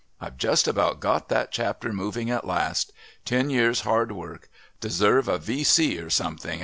I've just about got that Chapter moving at last. Ten years' hard work. Deserve a V.C. or something.